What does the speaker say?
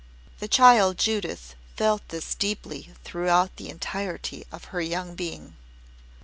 The child Judith felt this deeply throughout the entirety of her young being.